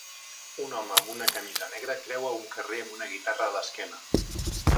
Un home amb una camisa negra creua un carrer amb una guitarra a l'esquena.